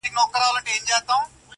بیا به لوړه بیه واخلي په جهان کي,